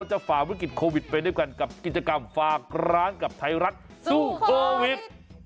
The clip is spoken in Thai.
ฝ่าวิกฤตโควิดไปด้วยกันกับกิจกรรมฝากร้านกับไทยรัฐสู้โควิด